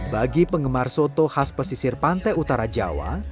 bagi penggemar soto khas pesisir pantai utara jawa